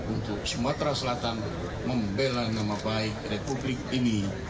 untuk sumatera selatan membela nama baik republik ini